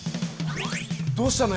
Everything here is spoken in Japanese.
どうしたの？